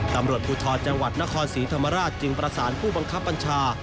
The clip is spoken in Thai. ตำรวจภูทรจังหวัดนครศรีธรรมราชจึงประสานผู้บังคับบัญชา